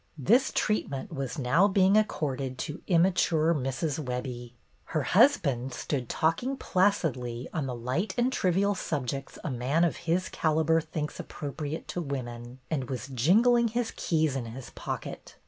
This treatment was now being accorded to immature Mrs. Webbie. Her husband stood talking placidly on the light and trivial subjects a man of his calibre thinks appropriate to women, and was jingling his keys in his pocket.